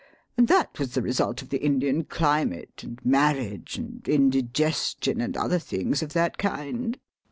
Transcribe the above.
And that was the result of the Indian climate, and marriage, and indigestion, and other things of that kind.